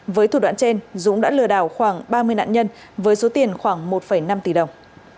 với thủ đoạn trên dũng đã lừa đảo khoảng ba mươi nạn nhân với số tiền khoảng một năm tỷ đồng